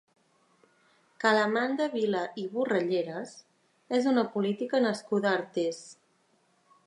Calamanda Vila i Borralleras és una política nascuda a Artés.